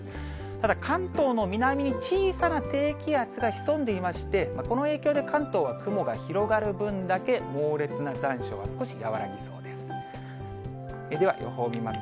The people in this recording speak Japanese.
ただ、関東の南に小さな低気圧が潜んでいまして、この影響で、関東は雲が広がる分だけ、猛烈な残暑は少し和らぎそうです。